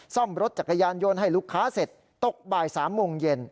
ซ่อมรถจักรยานยนต์ให้ลูกค้าเสร็จตกบ่าย๓โมงเย็น